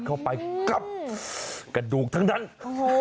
กระดูกทั้งตั้ง